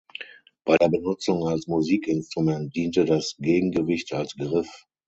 Bei der Benutzung als Musikinstrument diente das Gegengewicht als Griff.